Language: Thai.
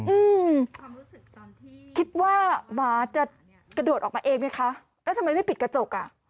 อืมคิดว่าหมาจะกระโดดออกมาเองไหมคะแล้วทำไมไม่ปิดกระจกอ่ะ